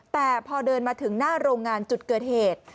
แต่พอเดินมาถึงหน้าโรงงานจุดเกิดเหตุ